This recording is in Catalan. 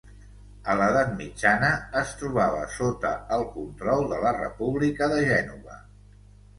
A l'Edat Mitjana, es trobava sota el control de la República de Gènova.